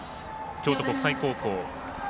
京都国際高校。